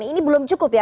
ini belum cukup ya